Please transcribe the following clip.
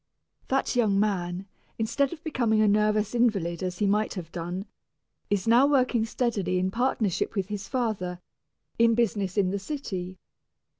That young man, instead of becoming a nervous invalid as he might have done, is now working steadily in partnership with his father, in business in the city.